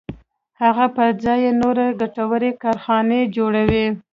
هغه پر ځای یې نورې ګټورې کارخانې جوړوي